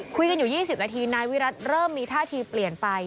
คุยกันอยู่๒๐นาทีนายวิรัติเริ่มมีท่าทีเปลี่ยนไป